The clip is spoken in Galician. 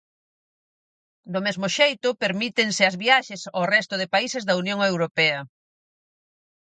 Do mesmo xeito, permítense as viaxes ao resto de países da Unión Europea.